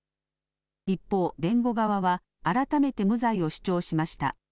一方、弁護側は改めて無罪を主張しました。